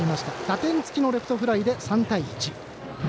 打点つきのレフトフライで３対１。